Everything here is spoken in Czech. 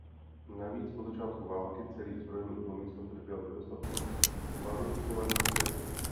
Navíc po začátku války celý zbrojní průmysl trpěl nedostatkem kvalifikovaných sil.